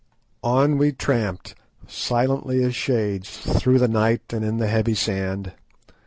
On we tramped silently as shades through the night and in the heavy sand.